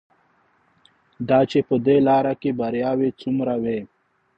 دا چې په دې لاره کې بریاوې څومره وې.